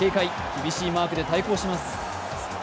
厳しいマークで対抗します。